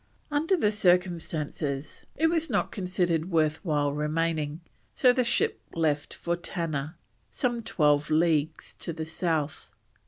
Under the circumstances it was not considered worth while remaining, so the ship left for Tanna, some twelve leagues to the south.